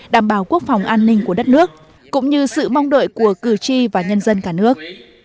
đảm bảo quốc phòng an ninh của đất nước cũng như sự mong đợi của cử tri và nhân dân cả nước